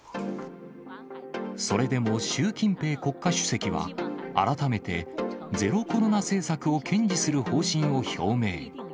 それでも習近平国家主席は、改めて、ゼロコロナ政策を堅持する方針を表明。